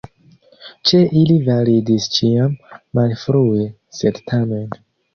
Ĉe ili validis ĉiam: "malfrue, sed tamen".